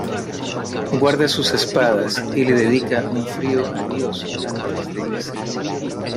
Guarda sus espadas y le dedica un frío "adiós" antes de irse.